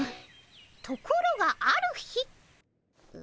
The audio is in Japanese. ところがある日。